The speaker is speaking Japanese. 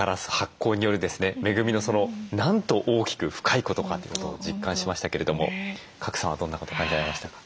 恵みのそのなんと大きく深いことかということを実感しましたけれども賀来さんはどんなことを感じられましたか？